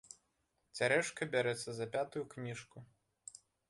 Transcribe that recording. Цярэшка бярэцца за пятую кніжку.